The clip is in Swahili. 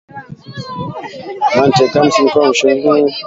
mate kamasi mkojo maziwa kinyesi au mbegu za kiume manii za mnyama aliyeambukizwa